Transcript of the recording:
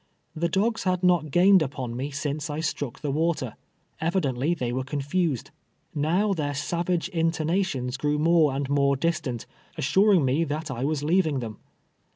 The dogs had not gained upon me since I struck the water. Evidently they were confused. Xow their savage intonations grew more and more distant, as suring me that I was leaving them.